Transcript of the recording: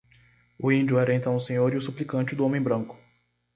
O índio era então o senhor e o suplicante do homem branco.